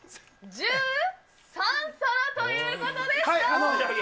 １３皿ということでした。